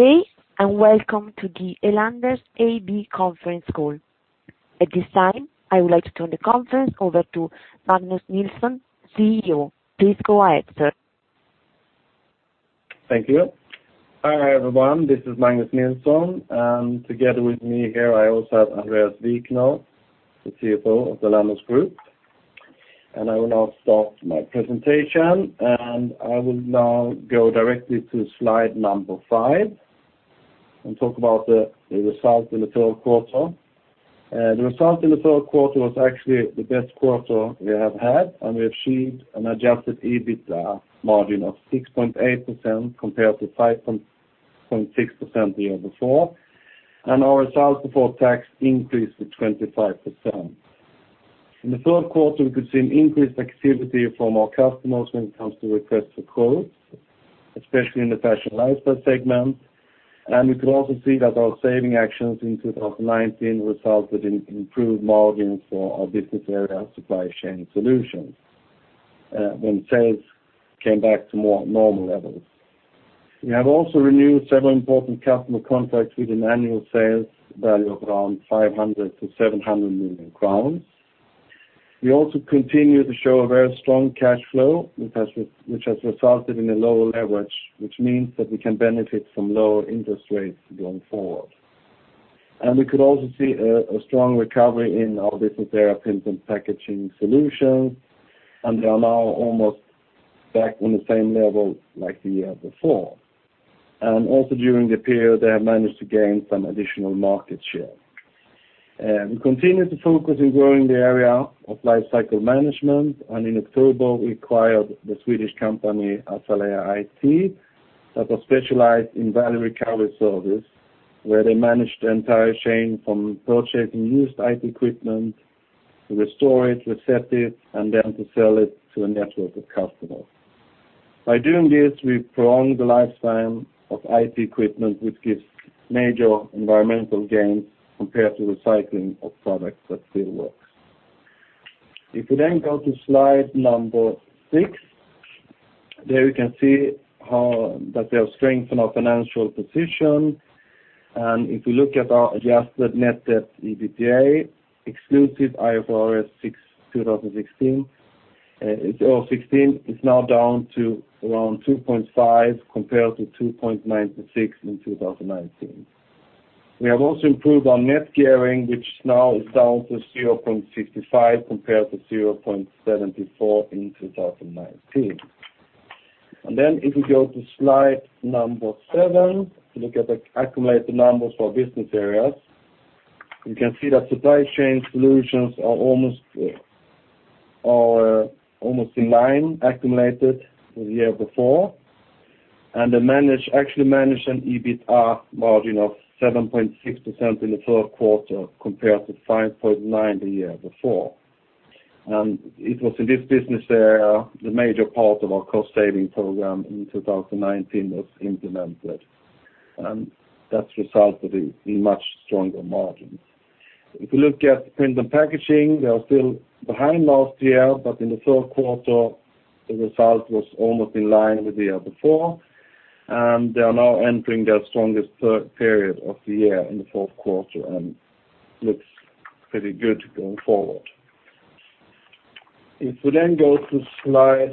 Good day and welcome to the Elanders AB Conference Call. At this time, I would like to turn the conference over to Magnus Nilsson, CEO. Please go ahead, sir. Thank you. Hi everyone. This is Magnus Nilsson. Together with me here, I also have Andreas Wikner, the CFO of Elanders Group. I will now start my presentation, and I will now go directly to Slide 5 and talk about the result in the third quarter. The result in the third quarter was actually the best quarter we have had, and we achieved an adjusted EBITDA margin of 6.8% compared to 5.6% the year before. Our results before tax increased with 25%. In the third quarter, we could see an increased activity from our customers when it comes to requests for quotes, especially in the Fashion Lifestyle segment. We could also see that our saving actions in 2019 resulted in improved margins for our business area Supply Chain Solutions when sales came back to more normal levels. We have also renewed several important customer contracts with an annual sales value of around 500 million-700 million crowns. We also continue to show a very strong cash flow, which has resulted in a lower leverage, which means that we can benefit from lower interest rates going forward. We could also see a strong recovery in our business area Print and Packaging Solutions, and they are now almost back on the same level like the year before. Also during the period, they have managed to gain some additional market share. We continue to focus on growing the area of lifecycle management, and in October, we acquired the Swedish company Azalea IT that was specialized in value recovery service, where they managed the entire chain from purchasing used IT equipment to restore it, reset it, and then to sell it to a network of customers. By doing this, we prolong the lifespan of IT equipment, which gives major environmental gains compared to recycling of products that still work. If we then go to Slide 6, there you can see that they have strengthened our financial position. And if we look at our adjusted Net Debt/EBITDA, exclusive IFRS 16, it's now down to around 2.5 compared to 2.96 in 2019. We have also improved our Net Gearing, which now is down to 0.55 compared to 0.74 in 2019. And then if we go to Slide 7, if we look at the accumulated numbers for business areas, you can see that Supply Chain Solutions are almost in line, accumulated with the year before, and they actually managed an EBITDA margin of 7.6% in the third quarter compared to 5.9% the year before. And it was in this business area the major part of our cost-saving program in 2019 was implemented, and that resulted in much stronger margins. If we look at Print and Packaging, they are still behind last year, but in the third quarter, the result was almost in line with the year before. And they are now entering their strongest period of the year in the fourth quarter and looks pretty good going forward. If we then go to Slide 8,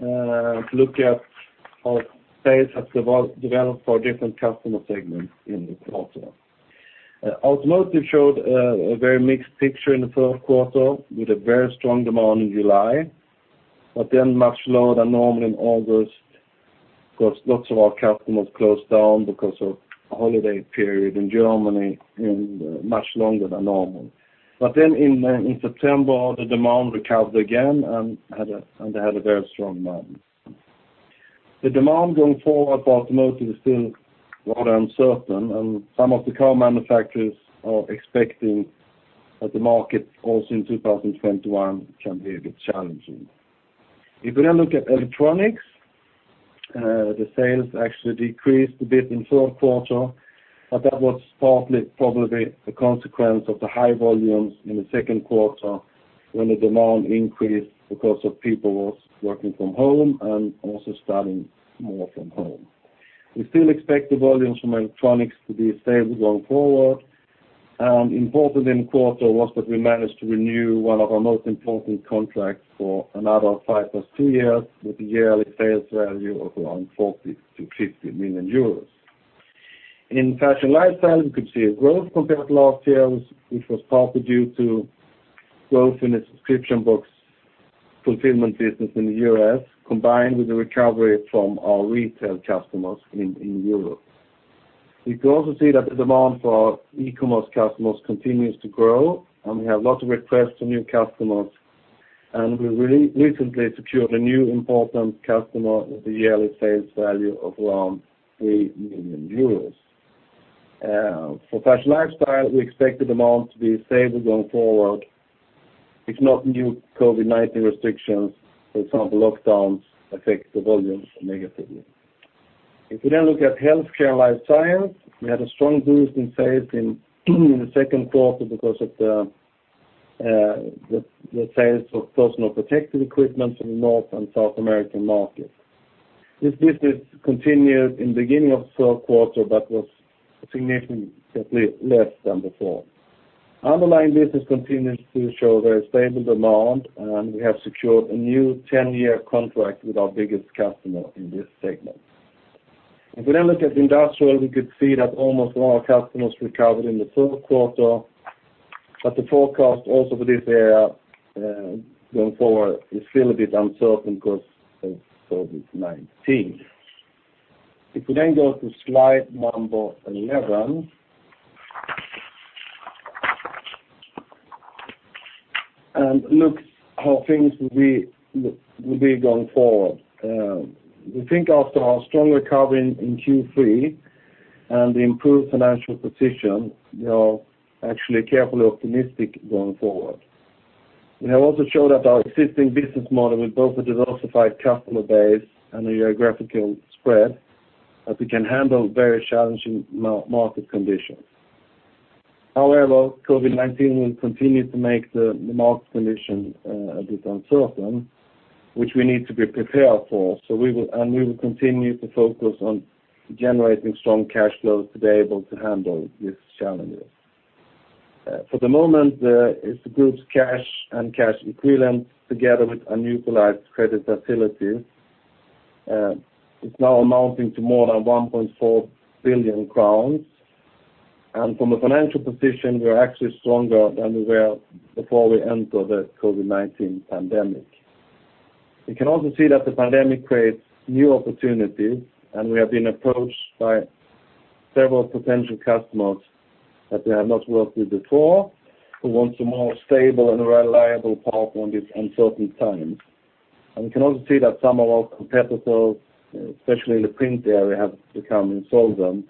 if we look at how sales have developed for different customer segments in the quarter. Automotive showed a very mixed picture in the third quarter with a very strong demand in July, but then much lower than normal in August because lots of our customers closed down because of holiday period in Germany and much longer than normal. But then in September, the demand recovered again and they had a very strong margin. The demand going forward for Automotive is still rather uncertain, and some of the car manufacturers are expecting that the market also in 2021 can be a bit challenging. If we then look at Electronics, the sales actually decreased a bit in the third quarter, but that was partly probably a consequence of the high volumes in the second quarter when the demand increased because of people working from home and also studying more from home. We still expect the volumes from Electronics to be stable going forward. Important in the quarter was that we managed to renew one of our most important contracts for another 5 + 2 years with a yearly sales value of around 40 million-50 million euros. In Fashion Lifestyle, we could see a growth compared to last year, which was partly due to growth in the Subscription Box Fulfillment business in the U.S. combined with the recovery from our retail customers in Europe. We could also see that the demand for our E-Commerce customers continues to grow, and we have lots of requests from new customers. We recently secured a new important customer with a yearly sales value of around 3 million euros. For Fashion Lifestyle, we expect the demand to be stable going forward if not new COVID-19 restrictions, for example, lockdowns, affect the volumes negatively. If we then look at Healthcare and Life Science, we had a strong boost in sales in the second quarter because of the sales of personal protective equipment for the North and South American Markets. This business continued in the beginning of the third quarter but was significantly less than before. Underlying business continues to show very stable demand, and we have secured a new 10-year contract with our biggest customer in this segment. If we then look at Industrial, we could see that almost all our customers recovered in the third quarter, but the forecast also for this area going forward is still a bit uncertain because of COVID-19. If we then go to Slide 11 and look at how things will be going forward, we think after our strong recovery in Q3 and the improved financial position, we are actually carefully optimistic going forward. We have also shown that our existing business model with both a diversified customer base and a geographical spread that we can handle very challenging market conditions. However, COVID-19 will continue to make the market condition a bit uncertain, which we need to be prepared for. We will continue to focus on generating strong cash flows to be able to handle these challenges. For the moment, it's the group's cash and cash equivalent together with a neutralized credit facility. It's now amounting to more than 1.4 billion crowns. From a financial position, we are actually stronger than we were before we entered the COVID-19 pandemic. We can also see that the pandemic creates new opportunities, and we have been approached by several potential customers that they have not worked with before who want a more stable and reliable partner in these uncertain times. We can also see that some of our competitors, especially in the print area, have become insolvent,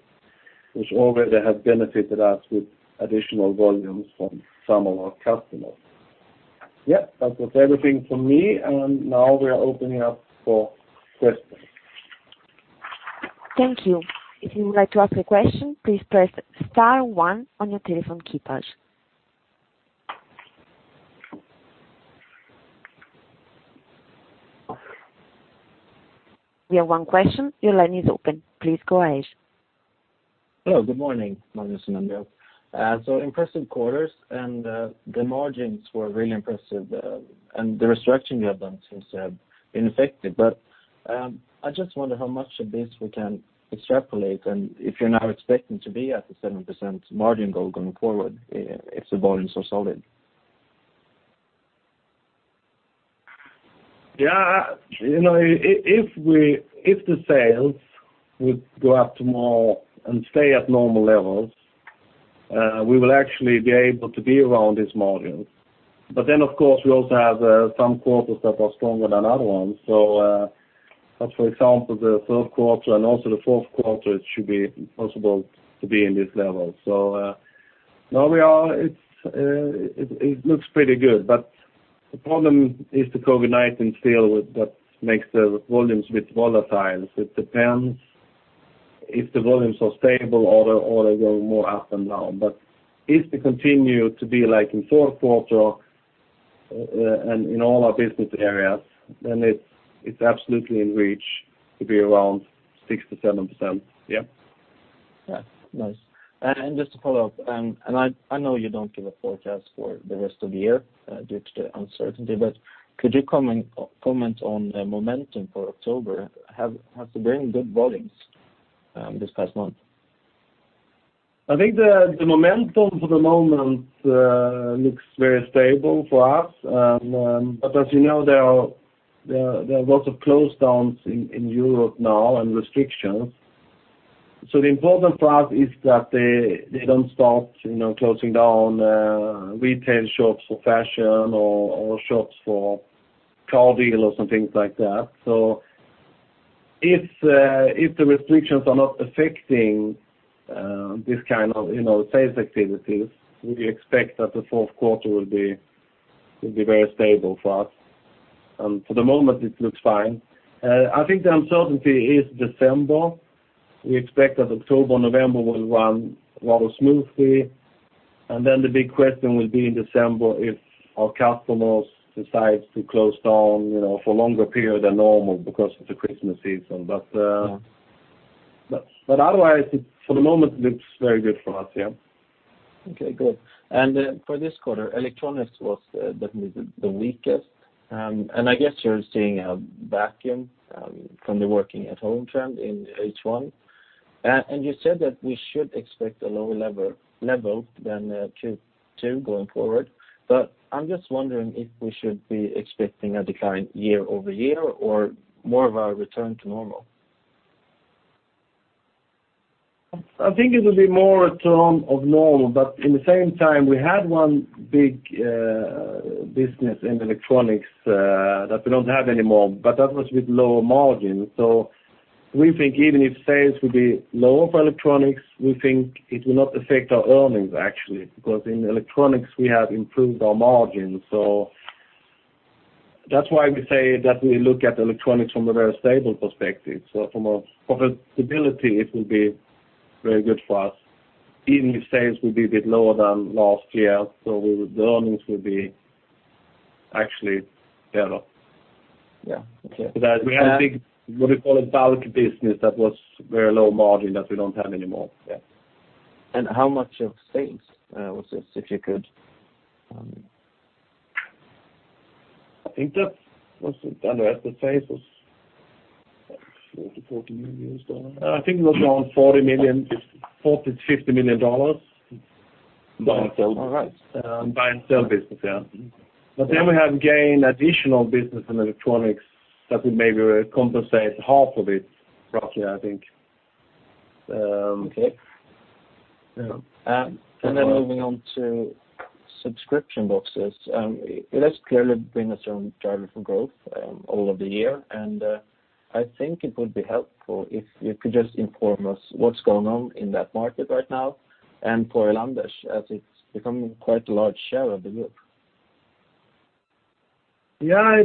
which already has benefited us with additional volumes from some of our customers. Yep, that was everything from me, and now we are opening up for questions. Thank you. If you would like to ask a question, please press star one on your telephone keypad. We have one question. Your line is open. Please go ahead. Hello. Good morning, Magnus and Andreas. So impressive quarters, and the margins were really impressive. And the restructuring you have done seems to have been effective. But I just wonder how much of this we can extrapolate and if you're now expecting to be at the 7% margin goal going forward if the volumes are solid. Yeah. If the sales would go up to more and stay at normal levels, we will actually be able to be around this margin. But then, of course, we also have some quarters that are stronger than other ones. But for example, the third quarter and also the fourth quarter, it should be possible to be in these levels. So now it looks pretty good. But the problem is the COVID-19 still that makes the volumes a bit volatile. So it depends if the volumes are stable or they're going more up and down. But if they continue to be like in the fourth quarter and in all our business areas, then it's absolutely in reach to be around 6%-7%. Yep. Yeah. Nice. Just to follow up, and I know you don't give a forecast for the rest of the year due to the uncertainty, but could you comment on the momentum for October? Has it been good volumes this past month? I think the momentum for the moment looks very stable for us. But as you know, there are lots of lockdowns in Europe now and restrictions. So the important for us is that they don't start closing down retail shops for fashion or shops for car dealers or some things like that. So if the restrictions are not affecting this kind of sales activities, we expect that the fourth quarter will be very stable for us. And for the moment, it looks fine. I think the uncertainty is December. We expect that October and November will run rather smoothly. And then the big question will be in December if our customers decide to close down for a longer period than normal because of the Christmas season. But otherwise, for the moment, it looks very good for us. Yeah. Okay. Good. And for this quarter, Electronics was definitely the weakest. And I guess you're seeing a vacuum from the working-at-home trend in H1. And you said that we should expect a lower level than Q2 going forward. But I'm just wondering if we should be expecting a decline year-over-year or more of a return to normal? I think it will be more of a return to normal. But at the same time, we had one big business in Electronics that we don't have anymore, but that was with lower margins. So we think even if sales would be lower for Electronics, we think it will not affect our earnings, actually, because in Electronics, we have improved our margins. So that's why we say that we look at Electronics from a very stable perspective. So from a profitability, it will be very good for us even if sales would be a bit lower than last year. So the earnings will be actually better. Yeah. Okay. Because we had a big, what do you call it, bulk business that was very low margin that we don't have anymore. Yeah. How much of sales was this if you could? I think that was it, Andreas. The sales was $40 million. I think it was around $40 million, $40-$50 million buy and sell. All right. Buy and sell business. Yeah. But then we have gained additional business in electronics that we maybe compensate half of it roughly, I think. Okay. And then moving on to subscription boxes, it has clearly been a strong driver for growth all of the year. And I think it would be helpful if you could just inform us what's going on in that market right now and for Elanders as it's become quite a large share of the group. Yeah.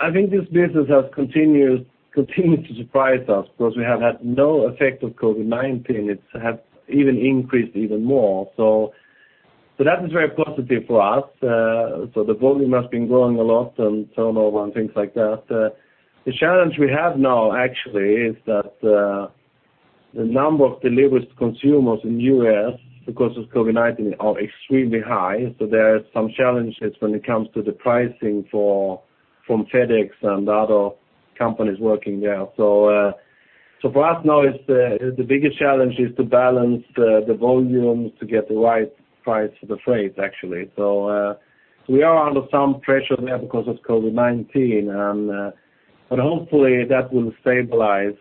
I think this business has continued to surprise us because we have had no effect of COVID-19. It's even increased even more. So that is very positive for us. So the volume has been growing a lot and turnover and things like that. The challenge we have now, actually, is that the number of delivered consumers in the U.S. because of COVID-19 are extremely high. So there are some challenges when it comes to the pricing from FedEx and other companies working there. So for us now, the biggest challenge is to balance the volumes to get the right price for the freight, actually. So we are under some pressure there because of COVID-19. But hopefully, that will stabilize,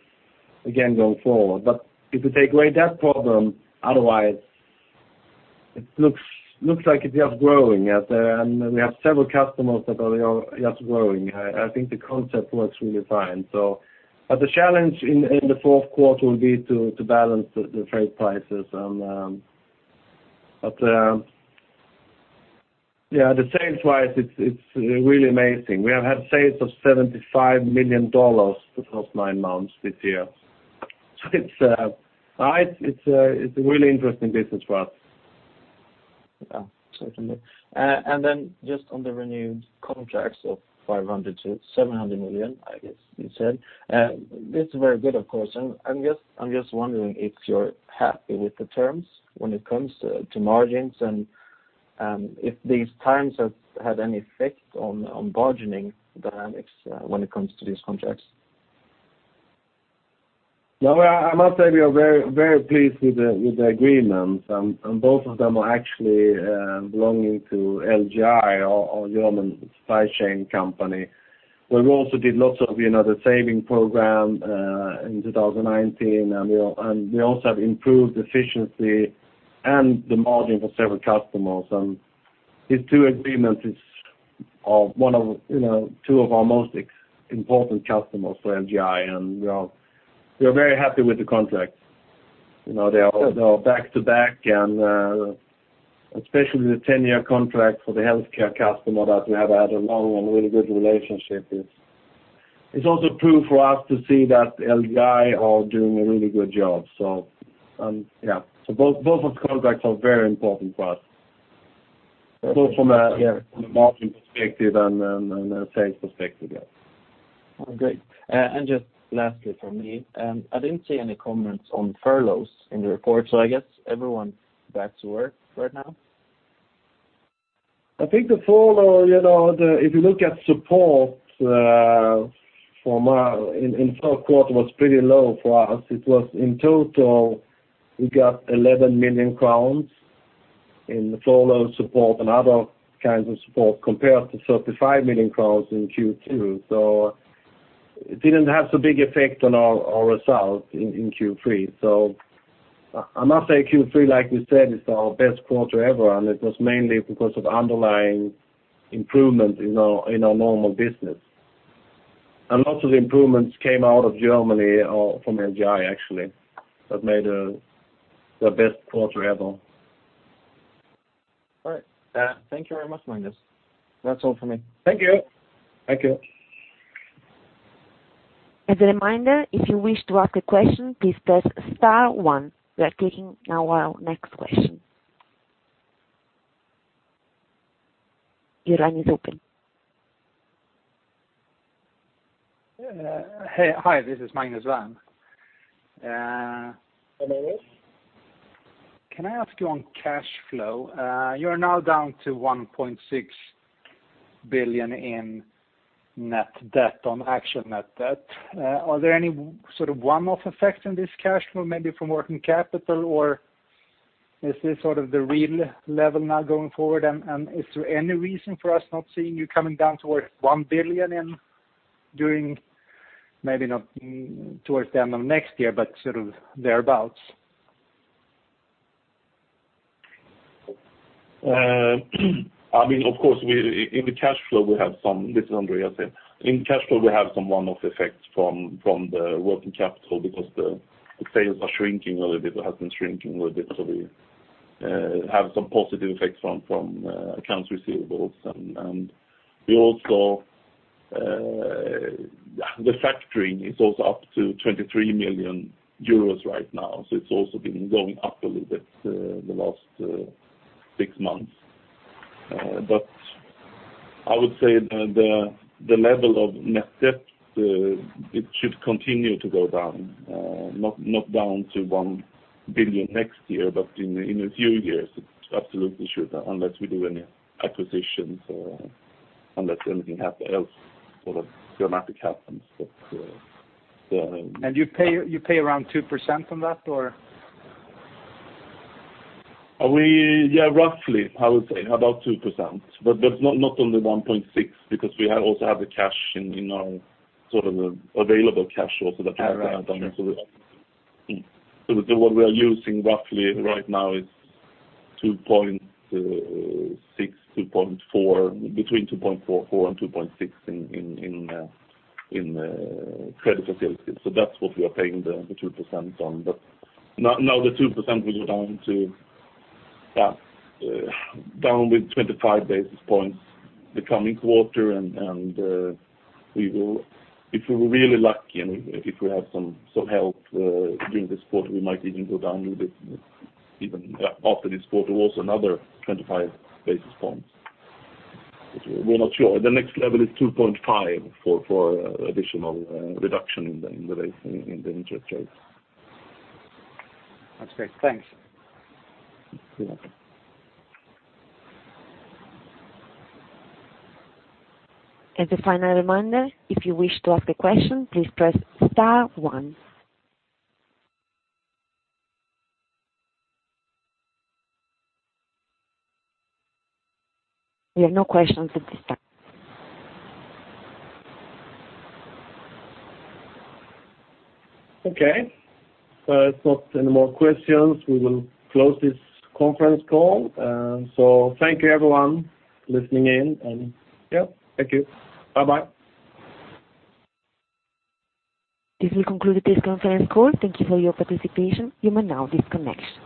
again, going forward. But if we take away that problem, otherwise, it looks like it's just growing. And we have several customers that are just growing. I think the concept works really fine. But the challenge in the fourth quarter will be to balance the freight prices. But yeah, the sales-wise, it's really amazing. We have had sales of $75 million the first nine months this year. So it's a really interesting business for us. Yeah. Certainly. And then just on the renewed contracts of 500 million-700 million, I guess you said. This is very good, of course. And I'm just wondering if you're happy with the terms when it comes to margins and if these terms have had any effect on bargaining dynamics when it comes to these contracts. No. I must say we are very pleased with the agreements. And both of them are actually belonging to LGI, our German supply chain company, where we also did lots of the saving program in 2019. And we also have improved efficiency and the margin for several customers. And these two agreements are one of two of our most important customers for LGI. And we are very happy with the contracts. They are back to back, especially the 10-year contract for the healthcare customer that we have had a long and really good relationship with. It's also proof for us to see that LGI are doing a really good job. So yeah. So both of the contracts are very important for us, both from a margin perspective and a sales perspective. Yeah. Great. And just lastly from me, I didn't see any comments on furloughs in the report. So I guess everyone's back to work right now. I think the furlough, if you look at support in the third quarter, was pretty low for us. In total, we got 11 million crowns in the furlough support and other kinds of support compared to 35 million crowns in Q2. So it didn't have so big effect on our result in Q3. So I must say Q3, like you said, is our best quarter ever. And it was mainly because of underlying improvement in our normal business. And lots of the improvements came out of Germany from LGI, actually, that made the best quarter ever. All right. Thank you very much, Magnus. That's all from me. Thank you. Thank you. As a reminder, if you wish to ask a question, please press star one. We are taking our next question. Your line is open. Hi. This is Magnus Våhlin. Hi, Magnus. Can I ask you on cash flow? You are now down to 1.6 billion in net debt on actual net debt. Are there any sort of one-off effects in this cash flow, maybe from working capital, or is this sort of the real level now going forward? And is there any reason for us not seeing you coming down towards 1 billion during maybe not towards the end of next year, but sort of thereabouts? I mean, of course, in the cash flow, this is Andreas here. In the cash flow, we have some one-off effects from the working capital because the sales are shrinking a little bit. It has been shrinking a little bit. So we have some positive effects from Accounts Receivables. And the factoring is also up to 23 million euros right now. So it's also been going up a little bit the last six months. But I would say the level of Net Debt, it should continue to go down, not down to 1 billion next year, but in a few years, it absolutely should unless we do any acquisitions or unless anything else sort of dramatic happens. But the. You pay around 2% on that, or? Yeah, roughly, I would say, about 2%. But not only 1.6 because we also have the cash in our sort of the available cash also that we have to add on. So what we are using roughly right now is 2.6, 2.4, between 2.4 and 2.6 in credit facilities. So that's what we are paying the 2% on. But now the 2% will go down with 25 Basis Points the coming quarter. And if we were really lucky and if we had some help during this quarter, we might even go down with it even after this quarter, also another 25 Basis Points. We're not sure. The next level is 2.5 for additional reduction in the interest rates. That's great. Thanks. You're welcome. As a final reminder, if you wish to ask a question, please press star one. We have no questions at this time. Okay. There's not any more questions. We will close this conference call. Thank you, everyone, listening in. Yeah, thank you. Bye-bye. This will conclude this conference call. Thank you for your participation. You may now disconnect.